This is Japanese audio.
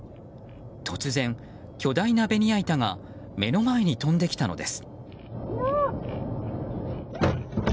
突然、巨大なベニヤ板が目の前に飛んできたのです。